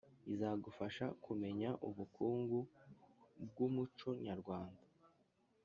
izagufasha kumenya ubukungu bw’umuco nyarwanda